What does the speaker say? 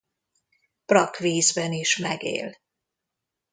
Brakkvízben is megél.